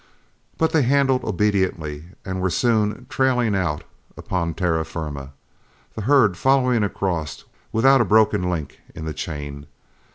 But they handled obediently and were soon trailing out upon terra firma, the herd following across without a broken link in the chain.